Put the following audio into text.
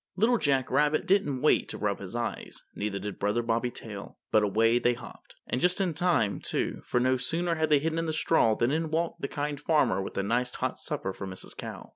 Little Jack Rabbit didn't wait to rub his eyes, neither did Brother Bobby Tail, but away they hopped. And just in time, too; for no sooner had they hidden in the straw than in walked the Kind Farmer with a nice hot supper for Mrs. Cow.